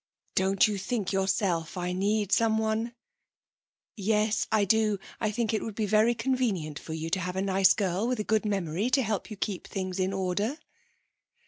'Don't you think yourself I need someone?' 'Yes, I do. I think it would be very convenient for you to have a nice girl with a good memory to keep your things in order.'